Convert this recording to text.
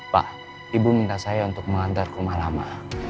pak ibu minta saya untuk mengantar rumah lama